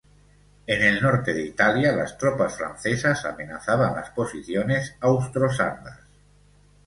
En el norte de Italia las tropas francesas amenazaban las posiciones austro-sardas.